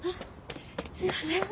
すいません。